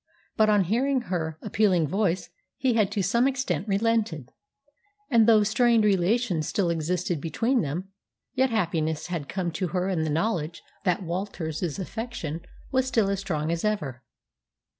But on hearing her appealing voice he had to some extent relented; and, though strained relations still existed between them, yet happiness had come to her in the knowledge that Walter's affection was still as strong as ever.